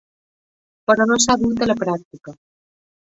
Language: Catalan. Però no s'ha dut a la pràctica.